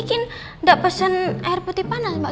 gigi kan gak pesen air putih panas mbak